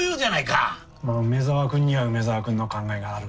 まあ梅沢君には梅沢君の考えがあるんだろうけどね。